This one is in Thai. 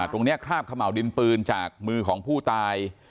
คราบขม่าวดินปืนจากมือของผู้ตาย